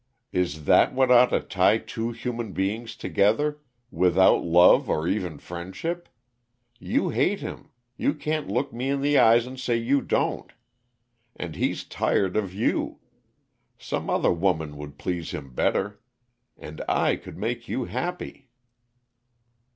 Is that what ought to tie two human beings together without love, or even friendship? You hate him; you can't look me in the eyes and say you don't. And he's tired of you. Some other woman would please him better. And I could make you happy!"